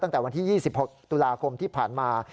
ตั้งแต่วันที่๒๖ตุลาคมที่ผ่านมา